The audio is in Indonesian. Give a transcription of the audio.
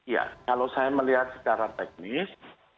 ya kalau saya melihat secara teknis